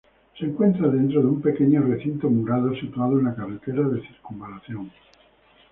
Se encuentra dentro de un pequeño recinto murado situado en la carretera de circunvalación.